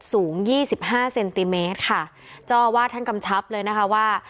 สูงยี่สิบห้าเซนติเมตรค่ะเจ้าอาวาสท่านกำชับเลยนะคะว่า